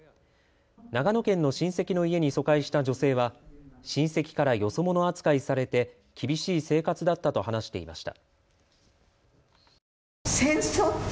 長野県の親戚の家に疎開した女性は親戚からよそ者扱いされて厳しい生活だったと話していました。